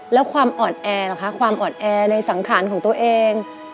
แล้วความอ่อนแอล่ะคะความอ่อนแอในสังขารของตัวเอง